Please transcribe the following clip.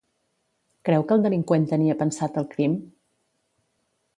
Creu que el delinqüent tenia pensat el crim?